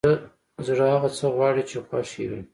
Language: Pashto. زړه هغه څه غواړي چې خوښ يې وي!